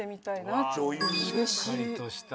しっかりとした。